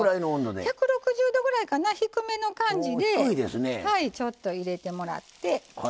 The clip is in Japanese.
１６０度ぐらいかな低めの感じでちょっと入れてもらって。